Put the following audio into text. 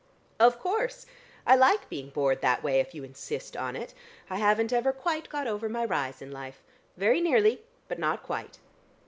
"Of course. I like being bored that way, if you insist on it. I haven't ever quite got over my rise in life. Very nearly, but not quite."